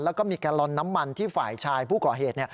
แล้วก็มีแกลลอนน้ำมันที่ฝ่ายชายผู้ก่อเหตุ